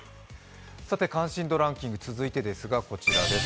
さて関心度ランキング、続いてですがこちらです。